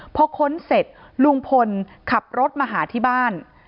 พอค้นเสร็จลุงพลขับรถมาหาที่บ้าน